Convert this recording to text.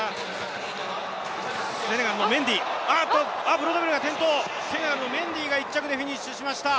ブロードベルが転倒、セネガルのメンディーが１着でフィニッシュしました。